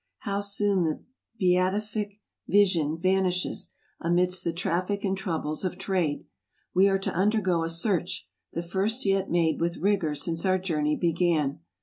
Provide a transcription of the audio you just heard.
how soon the beatific vision vanishes! — amidst the traffic and troubles of trade. We are to undergo a search, the first yet made with rigor since our journey began.